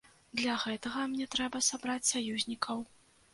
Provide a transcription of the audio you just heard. Для гэтага мне трэба сабраць саюзнікаў.